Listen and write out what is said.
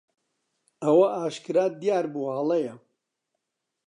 ئەوە بەئاشکرا دیار بوو هەڵەیە.